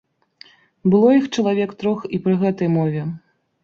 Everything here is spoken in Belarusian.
Было іх чалавек трох і пры гэтай мове.